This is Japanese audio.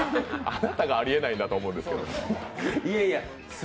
あなたがありえないと思うんですけど。